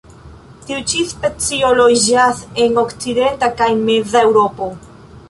Tiu ĉi specio loĝas en okcidenta kaj meza Eŭropo.